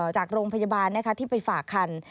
จากโรงพยาบาลที่ไปฝากคัน